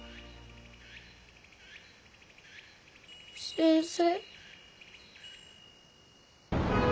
先生。